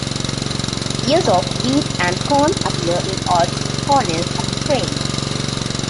Ears of wheat and corn appear in odd corners of the frame.